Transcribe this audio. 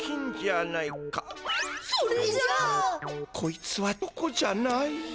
こいつはチョコじゃない？